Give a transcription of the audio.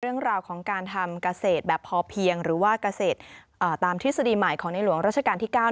เรื่องราวของการทำเกษตรแบบพอเพียงหรือว่าเกษตรตามทฤษฎีใหม่ของในหลวงราชการที่๙